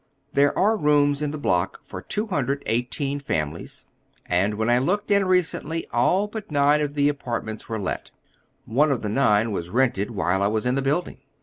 There are rooms in the block for 218 families, and when I looked in i ecently ail but nine of the apartments were let. One of the nine was rented while I was in the building.